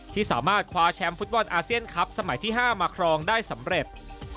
ที่สามารถคว้าแชมป์ฟุตบอลอาเซียนคลับสมัยที่๕มาครองได้สำเร็จ